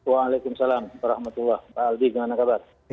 waalaikumsalam alhamdulillah pak aldi gimana kabar